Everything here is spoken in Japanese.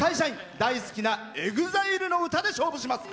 大好きなＥＸＩＬＥの歌で勝負します。